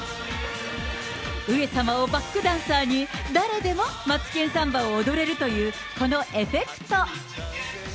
上様をバックダンサーに、誰でもマツケンサンバを踊れるというこのエフェクト。